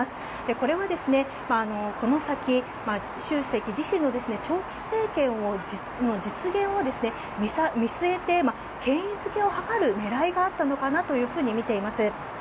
これはこの先習主席自身の長期政権の実現を見据えて権威づけを図る狙いがあったのかなとみています。